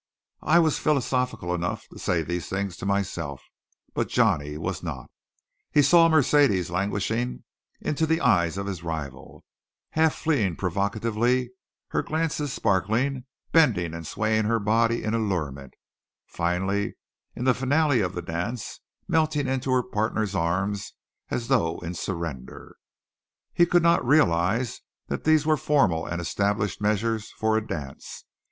I was philosophical enough to say these things to myself; but Johnny was not. He saw Mercedes languishing into the eyes of his rival; half fleeing provocatively, her glances sparkling; bending and swaying her body in allurement; finally in the finale of the dance, melting into her partner's arms as though in surrender. He could not realize that these were formal and established measures for a dance.